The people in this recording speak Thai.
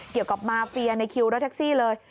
เกี่ยวกับมาเฟียในคิวรถแท็กซี่เลย